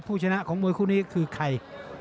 ชนะของมวยคู่นี้คือใคร